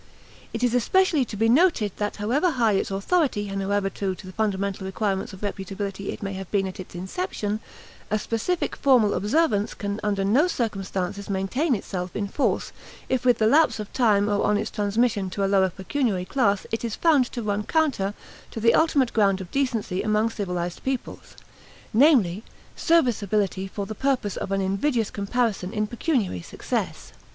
It is especially to be noted that however high its authority and however true to the fundamental requirements of reputability it may have been at its inception, a specific formal observance can under no circumstances maintain itself in force if with the lapse of time or on its transmission to a lower pecuniary class it is found to run counter to the ultimate ground of decency among civilized peoples, namely, serviceability for the purpose of an invidious comparison in pecuniary success.